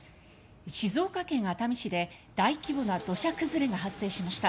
静岡県熱海市で大規模な土砂崩れが発生しました。